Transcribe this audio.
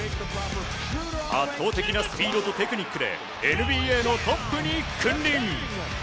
圧倒的なスピードとテクニックでＮＢＡのトップに君臨。